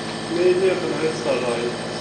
Ma yella iqneɛ-itt s rray.